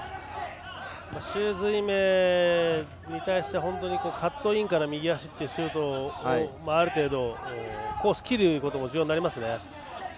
朱瑞銘に対しては本当にカットインから右足というシュートある程度、コースを切ることも重要になりますね。